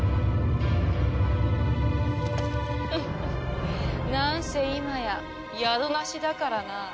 フフッなんせ今や宿なしだからな。